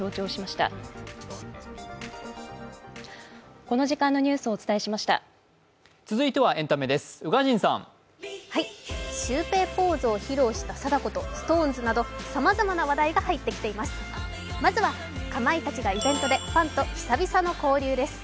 シュウペイポーズを披露した貞子とＳｉｘＴＯＮＥＳなど、さまざまな話題が入ってきています。